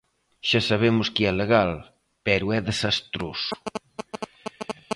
Xa sabemos que é legal, pero é desastroso.